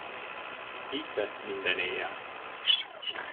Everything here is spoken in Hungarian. Így tett minden éjjel.